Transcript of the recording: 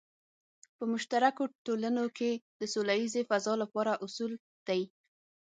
په مشترکو ټولنو کې د سوله ییزې فضا لپاره اصول دی.